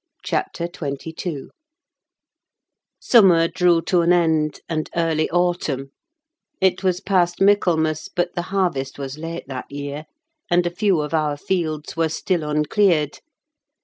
CHAPTER XXII Summer drew to an end, and early autumn: it was past Michaelmas, but the harvest was late that year, and a few of our fields were still uncleared.